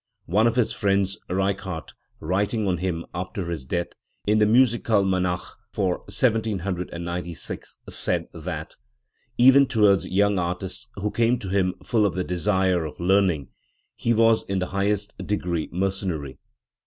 One of his friends, Reichardt, writing on him, after his death, in the Mmikalmanach for 1796, said that" Even towards young artists who came to him full of the desire of learning, he was in the highest degree mercenary" .